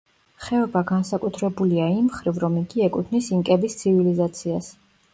ხეობა განსაკუთრებულია იმ მხრივ, რომ იგი ეკუთვნის ინკების ცივილიზაციას.